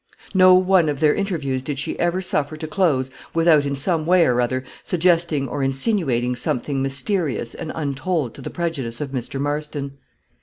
No one of their interviews did she ever suffer to close without in some way or other suggesting or insinuating something mysterious and untold to the prejudice of Mr. Marston.